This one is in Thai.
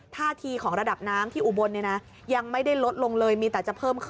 พี่ไปนานแล้วก็ยังไม่กลับกรุงเทพฯค่ะ